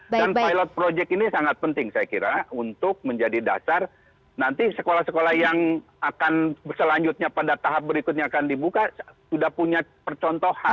dan pilot project ini sangat penting saya kira untuk menjadi dasar nanti sekolah sekolah yang akan selanjutnya pada tahap berikutnya akan dibuka sudah punya percontohan